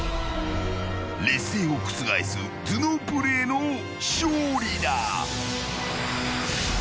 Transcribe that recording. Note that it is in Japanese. ［劣勢を覆す頭脳プレーの勝利だ］